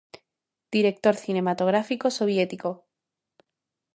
Director cinematográfico soviético.